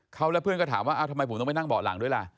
เขาและเพื่อนก็ถามว่าทำไมผมต้องไปนั่งเบาะหลังด้วยล่ะ